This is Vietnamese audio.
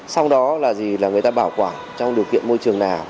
sau đó là người ta bảo quản trong điều kiện môi trường nào